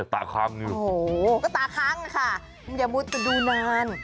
ตาค้างอยู่โอ้โหก็ตาค้างนะคะอย่ามูแต่ดูนาน